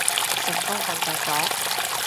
成功瞓着咗